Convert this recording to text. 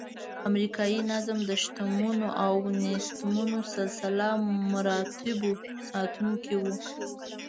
امریکایي نظم د شتمنو او نیستمنو سلسله مراتبو ساتونکی و.